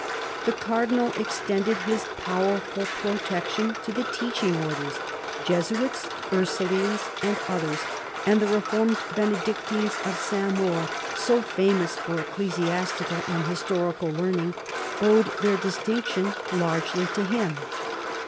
The Cardinal extended his powerful protection to the teaching Orders, Jesuits, Ursulines, and others; and the reformed Benedictines of Saint Maur, so famous for ecclesiastical and historical learning, owed their distinc tion largely to him.